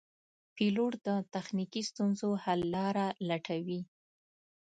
پیلوټ د تخنیکي ستونزو حل لاره لټوي.